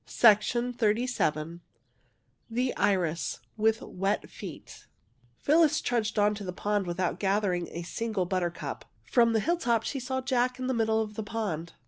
136 THE IRIS THE IRIS WITH WET FEET Phyllis trudged on to the pond without gathering a single buttercup. From the hill top she saw Jack in the middle of the pond.